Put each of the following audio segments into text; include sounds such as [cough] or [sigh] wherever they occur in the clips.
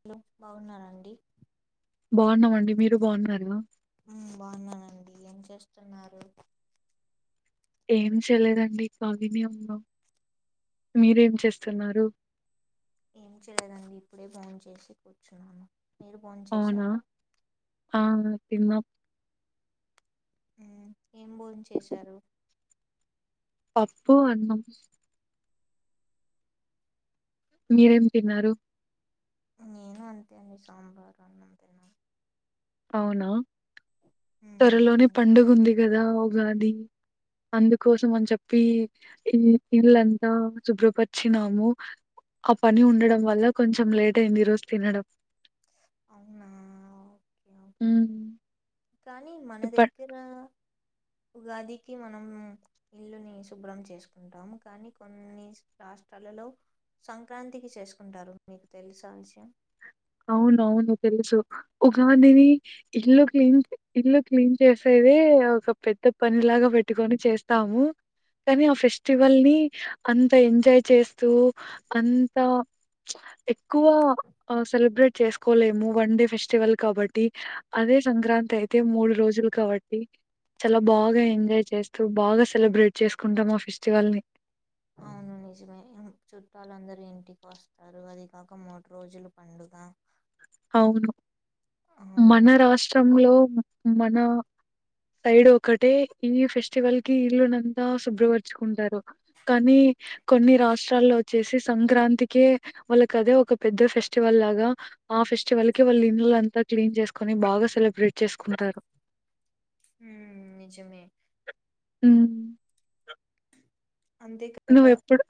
Hello బాగున్నారా అండి బాగున్నామండి మీరు బాగున్నారా ఉమ్ బాగున్నానండి ఏం చేస్తున్నారు ఏం చేయలేదండి ఖాళీనే ఉన్నం మీరేం చేస్తున్నారు ఏం చేయలేదండి ఇప్పుడే బోం చేసి కూర్చున్నాను మీరు ఫోన్ అవునా చేశారా ఆ తిన్నం ఉమ్ ఏం భోం చేశారు పప్పు అన్నం మీరేం తిన్నారు నేను అంతే అండి సాంబారు అన్నం తిన్న అవునా మ్మ్ త్వరలోనే పండుగ ఉంది కదా ఉగాది అందుకోసం అని చెప్పి ఈ ఇళ్ళంతా శుభ్రపరిచినాము ఆ పని ఉండడం వల్ల కొంచెం లేట్ అయింది ఈ రోజు తినడం అవునా ఓకే ఓకే. ఊ మ్ కానీ మన దగ్గర [inaudible] ఉగాదికి మనం ఇల్లుని శుభ్రం చేసుకుంటాము కానీ కొన్ని రాష్ట్రాలు లో సంక్రాంతికి చేసుకుంటారు మీకు తెలుసా విషయం అవును అవును తెలుసు ఉగాదిని ఇల్లు క్లీన్ ఇల్లు క్లీన్ చేసే అదే ఒక పెద్ద పని లాగా పెట్టుకొని చేస్తాము కానీ ఆ ఫెస్టివల్ ని అంత ఎంజాయ్ చేస్తూ అంత ఎక్కువ సెలబ్రేట్ చేసుకోలేము వన్ డే ఫెస్టివల్ కాబట్టి అదే సంక్రాంతి అయితే మూడు రోజులు కాబ బట్టి చాలా బాగా ఎంజాయ్ చేస్తూ బాగా సెలబ్రేట్ చేసుకుంటాం ఆ ఫెస్టివల్ ని [inaudible] అవును నిజమే చుట్టాలందరూ ఇంటికి వస్తారు అది కాక మూడు రోజులు పండుగ అవును ఆ మన రాష్ట్రంలో మన సైడ్ ఒకటే ఈ ఫెస్టివల్ కి ఇల్లునంతా శుభ్రపరుచుకుంటారు కానీ కొన్ని రాష్ట్రాల్లో వచ్చేసి సంక్రాంతికే వాళ్ళకి అదే ఒక పెద్ద ఫెస్టివల్ లాగా ఆ ఫెస్టివల్ కి వాళ్ళు ఇల్లంతా క్లీన్ చేసుకొని బాగా సెలబ్రేట్ చేసుకుంటారు హుమ్ నిజమే మ్ అంతేకాక నువ్ ఎప్పుడు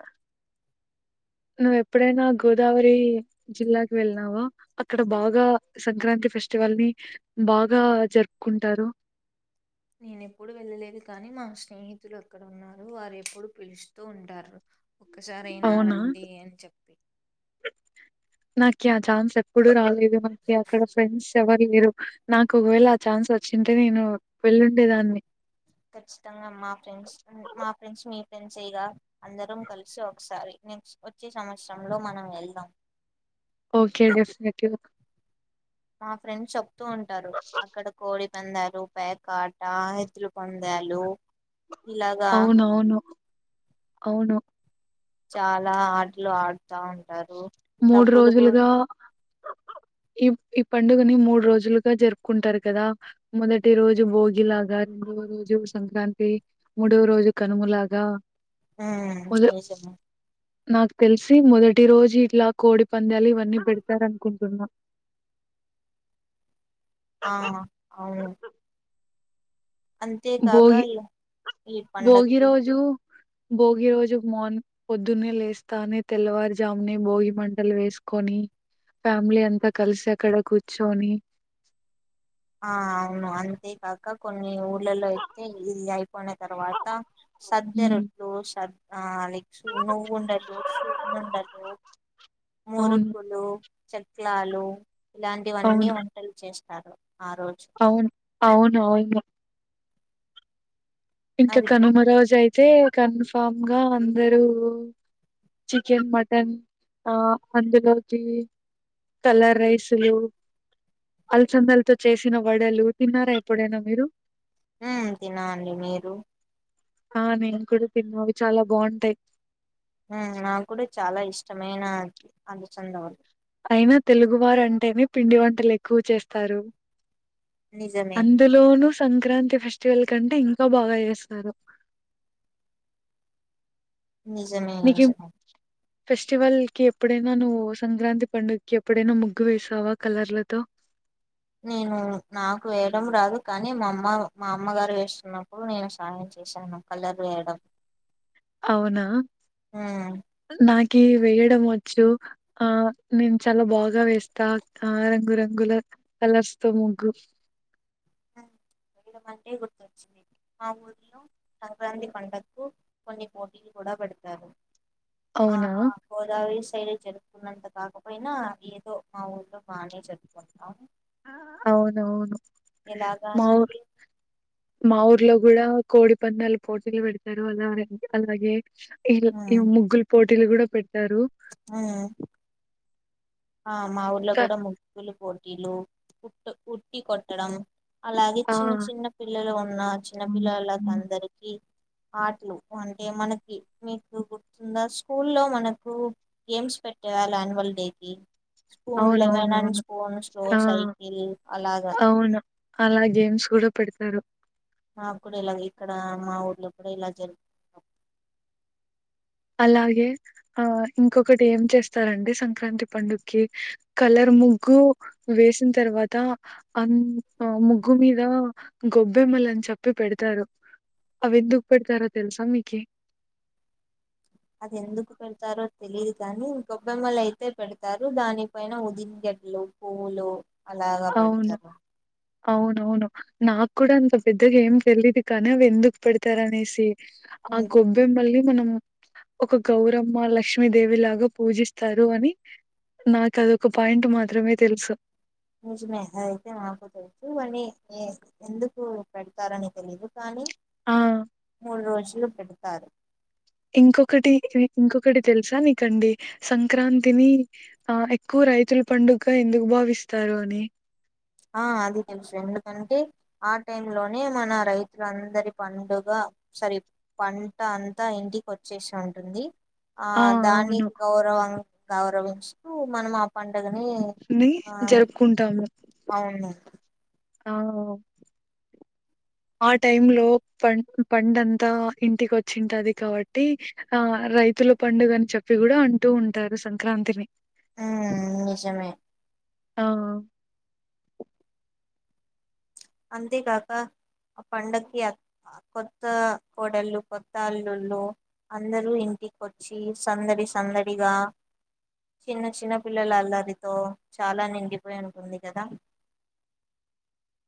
నువ్వు ఎప్పుడైనా గోదావరి జిల్లాకి వెళ్ళినావ అక్కడ బాగా సంక్రాంతి ఫెస్టివల్ ని బాగా జరుపుకుంటారు నేను ఎప్పుడు వెళ్ళలేదు కానీ మా స్నేహితులు అక్కడ ఉన్నారు వారు ఎప్పుడు పిలుస్తూ ఉంటారు ఒక్కసారి అయినా అవునా రండి అని చెప్పి నాకి ఆ ఛాన్స్ ఎప్పుడూ రాలేదు మనకి అక్కడ ఫ్రెండ్స్ ఎవరు లేరు నాకు ఒకవేళ ఆ ఛాన్స్ వస్ వచ్చింటే నేను వెళ్ళుండేదాన్ని ఖచ్చితంగా మా ఫ్రెండ్స్ మా ఫ్రెండ్స్ మీ ఫ్రెండ్స్ఏగా అందరం కలిసి ఒకసారి నెక్స్ట్ వచ్చే సంవత్సరంలో మనం వెళ్దాం ఓకే డెఫినెట్ గా మా ఫ్రెండ్ చెప్తూ ఉంటారు అక్కడ కోడి పందాలు ప్యాకాట ఎద్దుల పందాలు ఇలాగా అవునవును అవును చాలా ఆటలు ఆడుతా ఉంటారు డబ్బులు కు రోజులుగా [inaudible] ఈ ఈ పండుగని మూడు రోజులుగా జరుపుకుంటారు కదా మొదటి రోజు భోగిలాగా రెండవ రోజు సంక్రాంతి మూడవ రోజు కనుమ లాగా మ్ నిజమే నాకు తెలిసి మొద ప్రతి రోజు ఇట్లా కోడి పందాలు ఇవన్నీ పెడతారనుకుంటున్నా [inaudible] ఆ అవును అంతేకాక భోగి ఈ ఈ భోగి పండక్కి రోజు భోగి రోజు మార్నింగ్ పొద్దున్నే లేస్తానే తెల్లవారుజామునే భోగి మంటలు వేస్ కొని ఫ్యామిలీ అంతా కలిసి అక్కడ కూర్చొని ఆ అవును అంతేకాక కొన్ని ఊ ఇళ్లల్లో అయితే ఇది అయిపోయిన తర్వాత సద్దే హ్మ్ రొట్లు సర్ ఆ లైక్ నువ్వుండలు సున్నుండలు అవును. మురుకులు చెక్లాలు ఇలాంటివన్నీ అవును. వంటలు చేస్తారు ఆ రోజు అవును అవును అవును ఇంకా అవి కనుమ రోజు అయితే కన్ఫామ్ గా అందరూ చికెన్ మటన్ ఆ అందులోకి కలర్ రైసులు అలసందలతో చేసిన వడలు తిన్నారా ఎప్పుడైనా మీరు మ్ తిన్నామండి మీరు ఆ నేను కూడా తిన్నాను అవి చాలా బాగుంటాయి మ్ నాకు కూడా చాలా ఇష్టమైన అలసంద వడలు అయినా తెలుగువారు అంటేనే పిండి వంటలు ఎక్కువ చేస్తారు నిజమే అందులోనూ సంక్రాంతి ఫెస్టివల్ కంటే ఇంకా బాగా చేస్తారు నిజమే స ఫెస్టివల్ కి ఎప్పుడైనా నువ్వు సంక్రాంతి పండుగకి ఎప్పుడైనా ముగ్గు వేసావా కలర్లతో [inaudible] నేను నాకు వేయడం రాదు కానీ మా అమ్మ మా అమ్మగారు వేస్తున్నప్పుడు నేను సాయం చూసాను కలర్ వేయడం అవునా ఉమ్ నాకి కి వేయడం వచ్చు ఆ నేను చాలా బాగా వేస్తా ఆ రంగురంగులకి కలర్స్ తో ముగ్గు వయ అంటే గుర్తొచ్చింది మా ఊర్లో సంక్రాంతి పండక్కు కొన్ని పోటీలు పెడతారు ఆ అవునా? గోద సైడ్ జరుపుకున్నంత కాకపోయినా ఏదో మా ఊర్లో బాగానే జరుపుకో అవునవును ఎలాగా మాఊర్లో అంటే మా ఊర్లో కూడా కోడి పందాలు పోటీలు పెడతారు అలా అలాగే ఇగ ఇ ముగ్గులు పోటీలు కూడా పెట్ట మ్ ఆ మా ఊర్లో క కూడా ముగ్గులు పోటీలు ఉట్ ఉట్టి కొట్టడం అలాగే ఆ! చిన్న చిన్న పిల్లలు ఉన్న చిన్న పిల్లలకి అందరికి ఆటలు అంటే మనకి మీకు గుర్తుందా స్కూల్లో మనకు గేమ్స్ పెట్ట స్కూల్ అన్యూవల్ డేకి స్పూన్ అవున లెమన్ అండ్ అవునువును స్పూన్ స్లో ఆ సైకిల్ అలాగా అవును అలాగే గేమ్స్ కూడా పెడతారు మా కూడా ఇలాగ ఇక్కడ మా ఊర్లో కూడా ఇలా జరుగుం అలాగే ఆ ఇంకొకటి ఏం చేస్తారంటే సంక్రాంతి పండుగకి కలర్ ముగ్గు వేసిన తర్వాత అంద్ ముగ్గు మీద గొబ్బెమ్మ అని చెప్పి పెడతారు అవి ఎందుకు పెడతారో తెలుసా మీకు అది ఎందుకు పెడతారో తెలిదు కాని గొబ్బెమ్మలు అయితే పెడతారు దానిపైన ఉది గ పండ్లు పువ్వులు అలాగా అవును పెడతారు అవునవును నాకు కూడా అంత పెద్దగా ఏం తెలీదు కానీ అవి ఎందుకు పెడతారు అనేసి ఆ ఉమ్. గొబ్బెమ్మల్ని మనం ఒక గౌరమ్మ లక్ష్మీదేవి లాగా పూజిస్తారు అని నాకు అదొక పాయింట్ మాత్రమే తెలుసు నిజమే అది అయితే మాకు తెల్సు కాని ఎందుకు పెడతారని తెలిదు కానీ ఆ మూడు రోజులు పెడతారు ఇంకొకటి ఇంకొకటి తెలుసా నీకండి సంక్రాంతిని ఆ ఎక్కువ రైతుల పండుగ ఎందుకు భావిస్తారు అని ఆ అది తెలుసు ఎందుకంటే ఆ టైం లోనే మన రైతులు అందరి పండుగ సరి పంట అంతా ఇంటికి వచ్చేసి ఉంటుంది ఆ దాన్ని గౌరవం గౌరవిస్తూ మనం ఆ పం ని జరుపుకుంటాము [unintelligible] కావ్ ఆ టైం లో పం పండంతా ఇంటికి వచ్చింటది కాబట్టి ఆ రైతుల పండుగ అని చెప్పి కూడా అంటూ ఉంటారు సంక్రాంతిని ఆ నిజమే ఆ అంతేకాకా ఆ పండకి అ కొత్త కోడలు కొత్త అల్లుల్లో అందరూ ఇం టికొచ్చి సందడి సందడిగా చిన్న చిన్న పిల్లల అల్లరితో చాలా నిండిపోయి ఉంటుంది కదా అ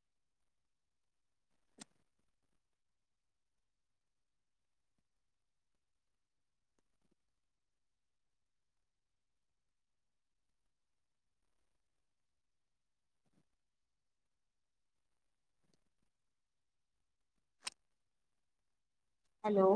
హలో